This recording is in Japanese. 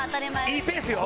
いいペースよ。